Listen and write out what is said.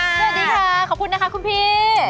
สวัสดีค่ะขอบคุณนะคะคุณพี่